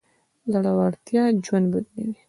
زړورتيا ژوند بدلوي.